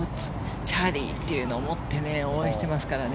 チャーリーというのを持って応援していますからね。